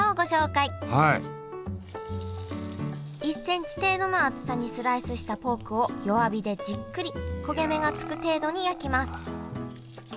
１センチ程度の厚さにスライスしたポークを弱火でじっくり焦げ目がつく程度に焼きます